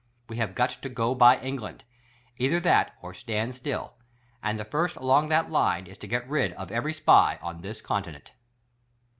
We have got to go by England ; either that, or stand still. And the first along that line is to get rid of every SPY on this Continent